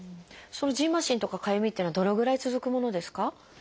そのじんましんとかかゆみっていうのはどのぐらい続くものですか？